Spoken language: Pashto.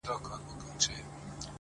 چا ویل چي خدای د انسانانو په رکم نه دی’